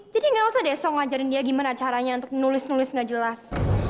jadi nggak usah deso ngajarin dia gimana caranya untuk nulis nulis nggak jelas